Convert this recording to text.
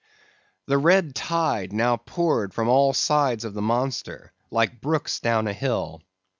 The red tide now poured from all sides of the monster like brooks down a hill.